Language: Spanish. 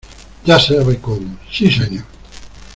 Ya sabe cómo. ¡ sí, señor!